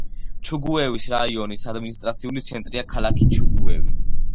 ჩუგუევის რაიონის ადმინისტრაციული ცენტრია ქალაქი ჩუგუევი.